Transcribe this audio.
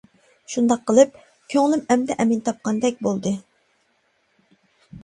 شۇنداق قىلىپ كۆڭلۈم ئەمدى ئەمىن تاپقان بولدى.